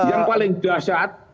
yang paling dasar